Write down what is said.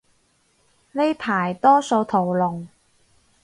呢排多數屠龍